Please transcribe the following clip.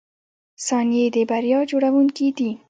• ثانیې د بریا جوړونکي دي.